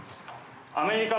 アメリカ。